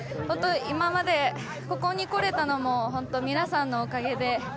今まで、ここに来れたのも本当、皆さんのおかげで。